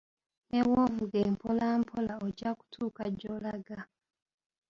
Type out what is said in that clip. Ne bwovuga empola empola ojja kutuuka gy'olaga.